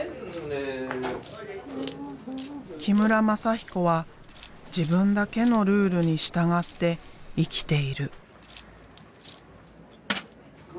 木村全彦は自分だけのルールに従って生きている。